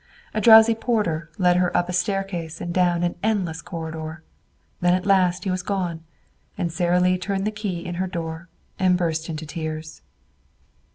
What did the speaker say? A drowsy porter led her up a staircase and down an endless corridor. Then at last he was gone, and Sara Lee turned the key in her door and burst into tears.